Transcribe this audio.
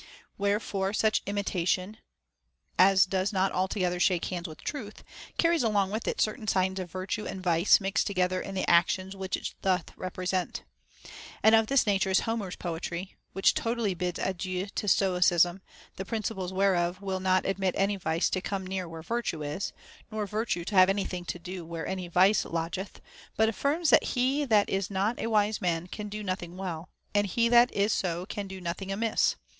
Where fore such imitation as does not altogether shake hands with truth carries along with it certain signs of virtue and vice mixed together in the actions which it doth represent. And of this nature is Homer's poetry, which totally bids adieu to Stoicism, the principles whereof will not admit any vice to come near where virtue is, nor virtue to have any thing to do where any vice lodgeth, but affirms that he that is not a wise man can do nothing well, and he that is so can do nothing amiss.